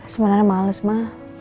sebenarnya males ma